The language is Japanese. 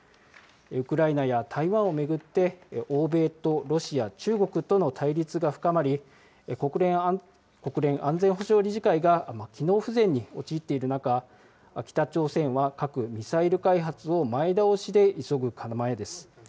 ウクライナや台湾を巡って、欧米とロシア、中国との対立が深まり、国連安全保障理事会が機能不全に陥っている中、北朝鮮は核・ミサイル委開発を前倒しで急ぐ構えです。